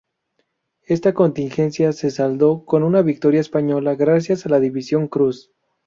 Esta contingencia se saldó con una victoria española gracias a la División Cruz.